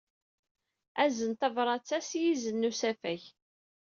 Azen tabṛat-a s yizen n usafag.